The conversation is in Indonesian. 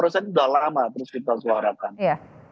saya sudah lama terus kita suarakan